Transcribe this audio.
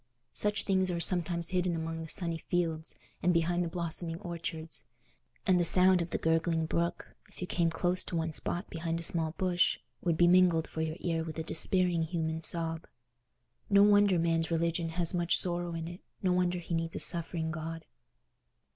Such things are sometimes hidden among the sunny fields and behind the blossoming orchards; and the sound of the gurgling brook, if you came close to one spot behind a small bush, would be mingled for your ear with a despairing human sob. No wonder man's religion has much sorrow in it: no wonder he needs a suffering God.